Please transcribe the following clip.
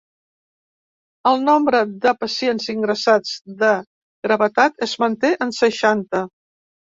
El nombre de pacients ingressats de gravetat es manté en seixanta.